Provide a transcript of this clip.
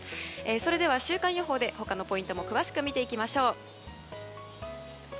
それでは週間予報で他のポイントも詳しく見ていきましょう。